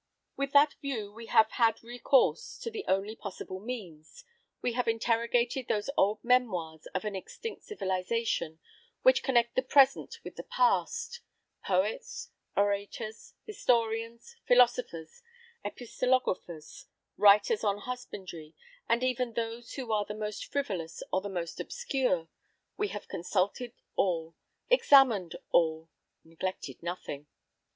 With that view we have had recourse to the only possible means: we have interrogated those old memoirs of an extinct civilisation which connect the present with the past; poets, orators, historians, philosophers, epistolographers, writers on husbandry, and even those who are the most frivolous or the most obscure we have consulted all, examined all, neglected nothing.